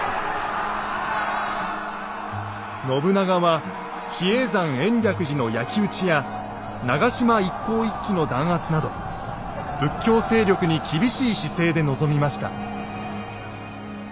信長は比叡山延暦寺の焼き打ちや長島一向一揆の弾圧など仏教勢力に厳しい姿勢で臨みました。